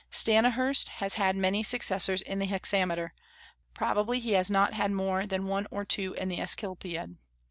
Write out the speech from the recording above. Stanihurst has had many successors in the hexameter; probably he has not had more than one or two in the Asclepiad.